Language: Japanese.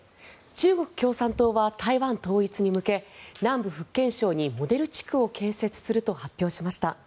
中国共産党は台湾統一に向け南部福建省にモデル地区を建設すると発表しました。